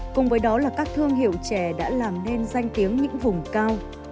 cùng với đó là các thương hiệu chè đã làm nên danh tiếng những vùng cao